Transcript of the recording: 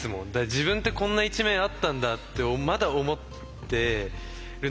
自分ってこんな一面あったんだってまだ思ってる中で。